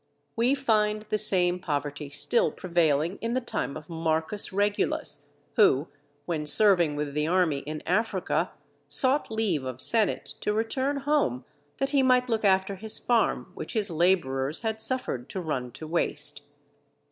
We find the same Poverty still prevailing in the time of Marcus Regulus, who when serving with the army in Africa sought leave of senate to return home that he might look after his farm which his labourers had suffered to run to waste.